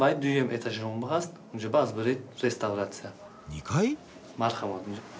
２階？